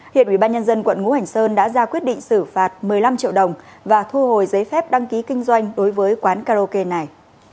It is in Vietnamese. hiện ủy ban nhân dân quận ngũ hành sơn đã ra quyết định xử phạt một mươi năm triệu đồng và thu hồi giấy phép đăng ký kinh doanh đối với quán karaoke này